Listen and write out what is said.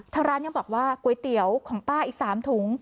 ทางร้านยังบอกว่าก๋วยเตี๋ยวของป้าอีก๓ถุง